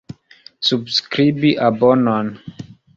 Subskribi abonon.